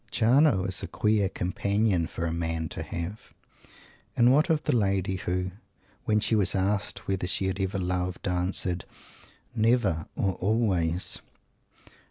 Jarno is a queer companion for a man to have. And what of the lady who, when she was asked whether she had ever loved, answered, "never or always"?